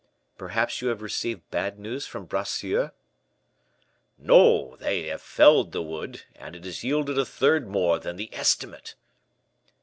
"Perhaps you have received bad news from Bracieux?" "No: they have felled the wood, and it has yielded a third more than the estimate."